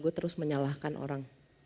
gue terus menyalahkan orang